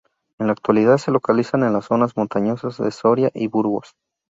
En la actualidad se localiza en las zonas montañosas de Soria y Burgos.